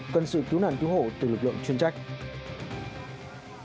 cần sự cứu nạn cứu hộ từ lực lượng chuyên trách